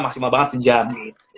maksimal banget sejam